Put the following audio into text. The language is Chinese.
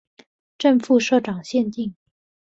正副社长限定